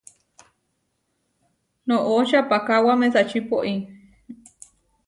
Noʼo čapakáwa mesačí pói.